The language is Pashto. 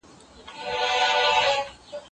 مثبت ذهن د نویو ملګرو موندلو کي مرسته کوي.